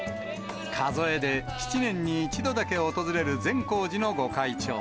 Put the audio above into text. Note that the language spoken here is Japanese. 数えで７年に一度だけ訪れる善光寺の御開帳。